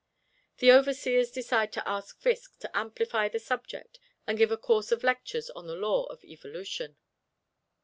The Overseers decided to ask Fiske to amplify the subject and give a course of lectures on the Law of Evolution.